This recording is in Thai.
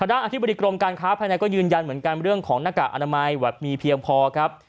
ด้านอธิบดีกรมการค้าภายในก็ยืนยันเหมือนกันเรื่องของหน้ากากอนามัยแบบมีเพียงพอครับ